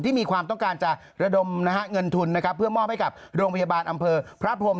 ที่มีความต้องการรดมเงินทุนเพื่อมอบให้กับโรงพยาบาลอำเภอพระพรม